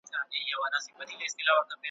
زه دي سوځلی یم او ته دي کرۍ شپه لګېږې,